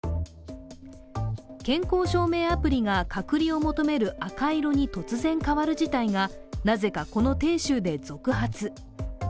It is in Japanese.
健康証明アプリが隔離を求める赤色に突然変わる事態がなぜかこの鄭州で続発。